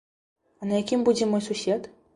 А на якім будзе мой сусед?